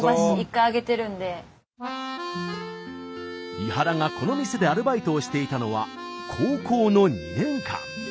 伊原がこの店でアルバイトをしていたのは高校の２年間。